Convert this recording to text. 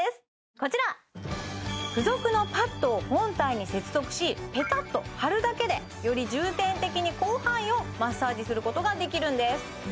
こちら付属のパッドを本体に接続しペタッと貼るだけでより重点的に広範囲をマッサージすることができるんです